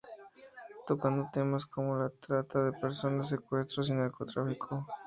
Tocando temas como la trata de personas, secuestros y narcotráfico.